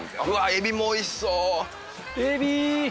エビもおいしそうエビ！